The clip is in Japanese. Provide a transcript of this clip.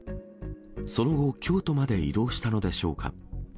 その後、京都まで移動したのでしょうか。